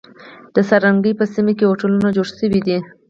د څنارګی په سیمه کی هوټلونه جوړ شوی دی.